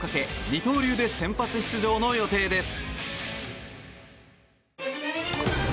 二刀流で先発出場の予定です。